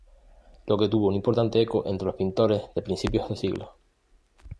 Lo que tuvo un importante eco entre los pintores de principios de siglo.